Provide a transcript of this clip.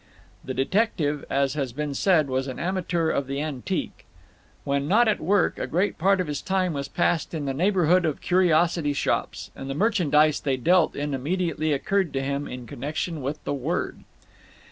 The detective, as has been said, was an amateur of the antique. When not at work, a great part of his time was passed in the neighbourhood of curiosity shops, and the merchandise they dealt in immediately occurred to him in connection with the word.